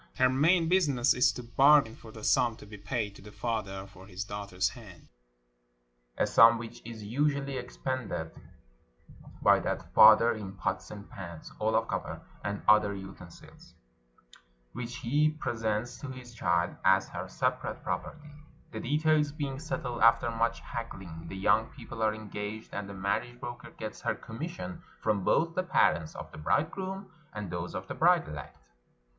Her main busi ness is to bargain for the sum to be paid to the father for his daughter's hand; a sum which is usually expended 412 A PERSIAN WEDDING by that father in pots and pans (all of copper) and other utensils, which he presents to his child as her separate property. The details being settled after much haggling, the young people are engaged, and the marriage broker gets her commission from both the parents of the bride groom and those of the bride elect.